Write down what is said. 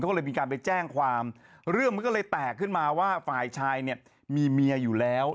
ก็เลยมีการไปแจ้งความเรื่องมันก็เลยแตกขึ้นมาว่าฝ่ายชายเนี่ยมีเมียอยู่แล้ว